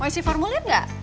mau isi formulir nggak